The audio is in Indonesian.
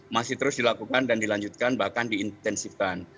masih terus dilakukan dan dilanjutkan bahkan diintensifkan